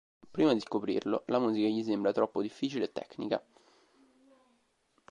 Prima di scoprirlo, la musica gli sembra troppo difficile e tecnica.